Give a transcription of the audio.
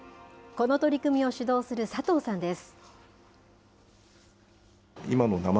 この取り組みを主導する佐藤さんです。